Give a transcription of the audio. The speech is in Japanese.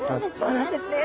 そうなんですね。